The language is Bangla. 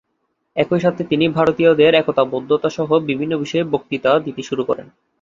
একই সাথে তিনি ভারতীয়দের একতাবদ্ধতা-সহ বিভিন্ন বিষয়ে বক্তৃতা দিতে শুরু করেন।